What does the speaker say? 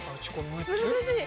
難しい！